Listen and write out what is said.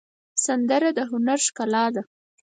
سندره د هنر ښکلا ده